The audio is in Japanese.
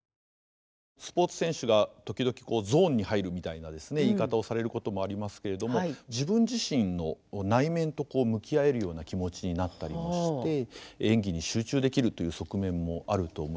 スポーツ選手が時々「ゾーンに入る」みたいなですね言い方をされることもありますけれども自分自身の内面と向き合えるような気持ちになったりもして演技に集中できるという側面もあると思います。